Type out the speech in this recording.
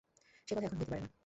সে কথা এখন হইতে পারে না।